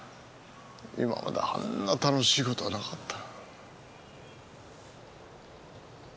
今まであんな楽しい事はなかった。